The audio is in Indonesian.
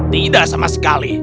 tidak sama sekali